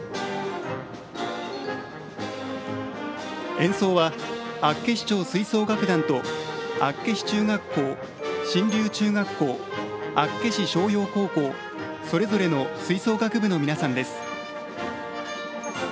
演奏は、厚岸町吹奏楽団と厚岸中学校、真龍中学校厚岸翔洋高校それぞれの吹奏楽部の皆さんです。